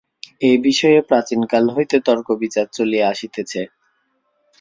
এই বিষয়ে প্রাচীনকাল হইতে তর্ক-বিচার চলিয়া আসিতেছে।